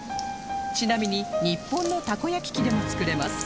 ちなみに日本のたこ焼き器でも作れます